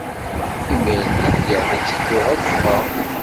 Imir-nni lliɣ la ttedduɣ ad ffɣeɣ.